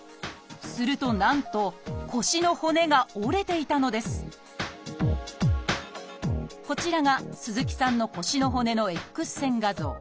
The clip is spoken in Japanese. するとなんと腰の骨が折れていたのですこちらが鈴木さんの腰の骨のＸ線画像。